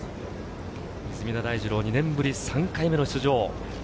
出水田大二郎、２年ぶり３回目の出場。